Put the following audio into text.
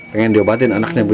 pengen diobatin anaknya bu